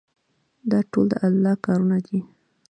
دا ټول د الله کارونه دي.